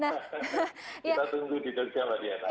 kita tunggu di jogja lagi ya pak